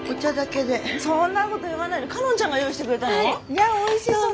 いやおいしそう！